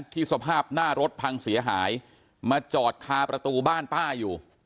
สภาพหน้ารถพังเสียหายมาจอดคาประตูบ้านป้าอยู่